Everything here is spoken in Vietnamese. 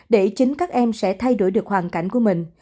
để chính các em sẽ thay đổi được hoàn cảnh của mình